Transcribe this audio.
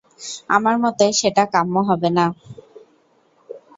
আমার মতে সেটা কাম্য হবে না।